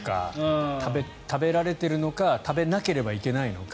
食べられているのか食べなければいけないのか。